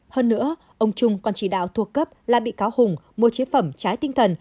hơn nữa ông trung còn chỉ đạo thuộc cấp là bị cáo hùng mua chế phẩm trái tinh thần